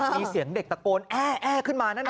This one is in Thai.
มีเสียงเด็กตะโกนแอ้ขึ้นมานั่นน่ะ